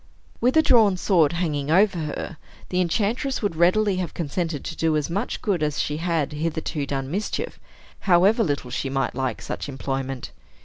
With a drawn sword hanging over her, the enchantress would readily have consented to do as much good as she had hitherto done mischief, however little she might like such employment.